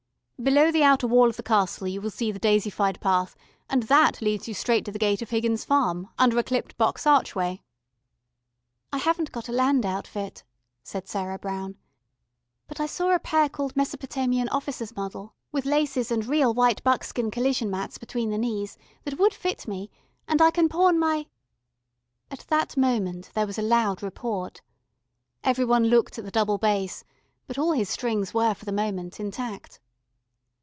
Below the outer wall of the Castle you will see the Daisified Path, and that leads you straight to the gate of Higgins Farm, under a clipped box archway." "I haven't got a land outfit," said Sarah Brown. "But I saw a pair called Mesopotamian Officer's Model, with laces and real white buckskin collision mats between the knees, that would fit me, and I can pawn my " At that moment there was a loud report. Every one looked at the double bass, but all his strings were for the moment intact.